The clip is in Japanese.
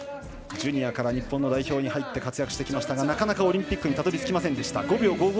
ジュニアから日本の代表に入って活躍してきましたがなかなかオリンピックにたどりつきませんでした。